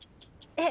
えっ！？